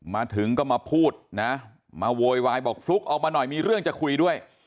มาถึงก็มาพูดนะมาโวยวายบอกฟลุ๊กออกมาหน่อยมีเรื่องจะคุยด้วย